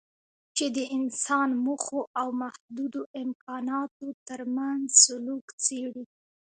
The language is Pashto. چې د انسان موخو او محدودو امکاناتو ترمنځ سلوک څېړي.